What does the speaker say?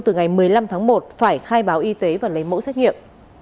từ ngày một mươi năm tháng một phải khai báo y tế và lấy mẫu xét nghiệm